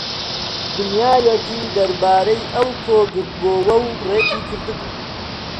دنیایەکی دەربارەی ئەو کۆ کردبۆوە و ڕێکی کردبوو